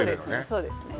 そうですね